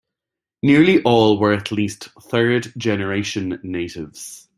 Nearly all were at least third-generation natives.